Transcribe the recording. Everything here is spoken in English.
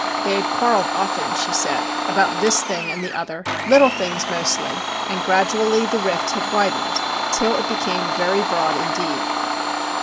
They had quarrelled often, she said, about this thing and the other, little things mostly; and gradually the rift had widened till it became very broad indeed.